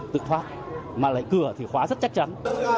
tự thoát mà lại cửa thì khóa rất chắc chắn